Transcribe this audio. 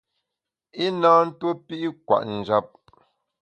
I na ntuo pi’ kwet njap.